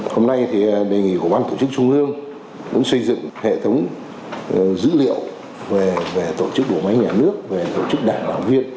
hôm nay thì đề nghị của ban tổ chức trung ương cũng xây dựng hệ thống dữ liệu về tổ chức bộ máy nhà nước về tổ chức đảng đảng viên